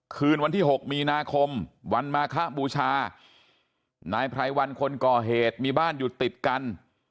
คืนวันที่๖มีนาคมวันมาคบูชานายไพรวันคนก่อเหตุมีบ้านอยู่ติดกัน